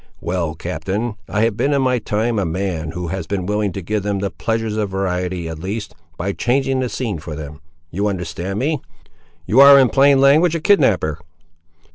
Well, captain, I have been, in my time, a man who has been willing to give them the pleasures of variety, at least, by changing the scene for them. You understand me?" "You are, in plain language, a kidnapper."